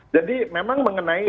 jadi memang mengenai